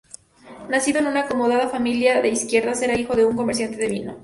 Nacido en una acomodada familia de izquierdas, era hijo de un comerciante de vino.